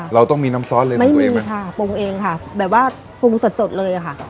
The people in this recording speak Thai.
เราต้องมีน้ำซอสเลยในตัวเองเลยค่ะปรุงเองค่ะแบบว่าปรุงสดสดเลยอะค่ะ